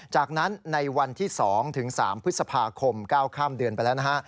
จากนั้นในวันที่๒ถึง๓พฤษภาคมก้าวข้ามเดือนไปแล้วนะฮะ